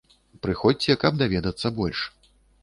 Прыходзьце, каб даведацца больш!